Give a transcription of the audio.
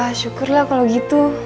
ya syukurlah kalau gitu